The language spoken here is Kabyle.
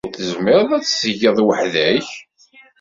Ur tezmireḍ ad t-tgeḍ weḥd-k?